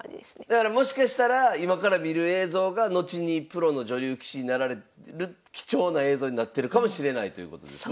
だからもしかしたら今から見る映像が後にプロの女流棋士になられる貴重な映像になってるかもしれないということですね。